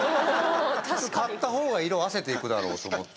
刈った方が色あせていくだろうと思って。